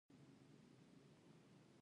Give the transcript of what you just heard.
موږ دواړو ژړل او نور مو هېڅ نه شول کولی